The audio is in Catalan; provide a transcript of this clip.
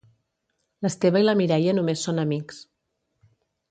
L'Esteve i la Mireia només són amics.